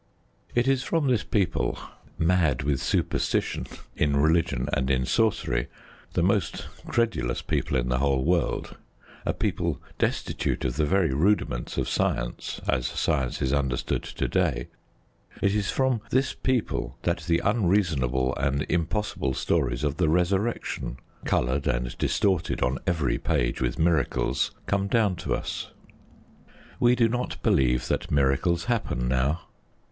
It is from this people, "mad with superstition" in religion and in sorcery, the most credulous people in the whole world, a people destitute of the very rudiments of science, as science is understood to day it is from this people that the unreasonable and impossible stories of the Resurrection, coloured and distorted on every page with miracles, come down to us. We do not believe that miracles happen now.